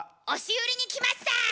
押し売りに来ました！